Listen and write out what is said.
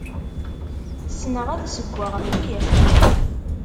Ssneɣ ad ssewweɣ mliḥ.